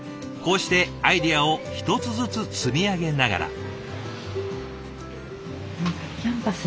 こうしてアイデアを１つずつ積み上げながら。